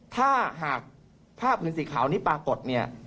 ถ้าหากพราคภืนสีขาวนี้ปรากฎ